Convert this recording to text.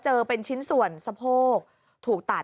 เจอเป็นชิ้นส่วนสะโพก